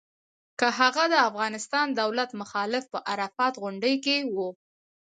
که هغه د افغانستان دولت مخالف په عرفات غونډۍ کې و.